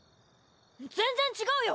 全然違うよ！